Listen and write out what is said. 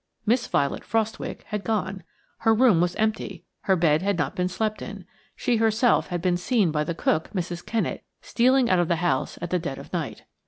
Miss Violet Frostwicke had gone. Her room was empty, her bed had not been slept in. She herself had been seen by the cook, Mrs. Kennett, stealing out of the house at dead of night.